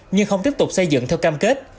nhưng không tiếp tục xây dựng theo cam kết